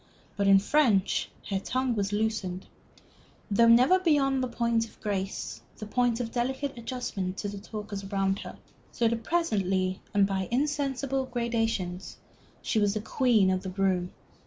But in French her tongue was loosened, though never beyond the point of grace, the point of delicate adjustment to the talkers round her. So that presently, and by insensible gradations, she was the queen of the room.